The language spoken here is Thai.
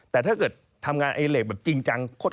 แต่ถ้าเกิดทำงานอดิเลกจริงจัง